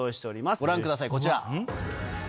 ご覧ください、こちら。